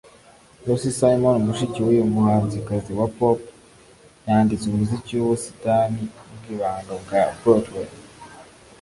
Lucy Simon, mushiki wuyu muhanzikazi wa pop, yanditse umuziki w’Ubusitani bwibanga" bwa Broadway